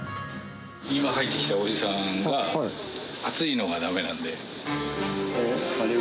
今入ってきたおじさんは、熱いのがだめなんで。